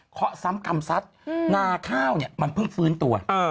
เคาะซ้ำกำซัดนาข้าวมันเพิ่งฟื้นตัว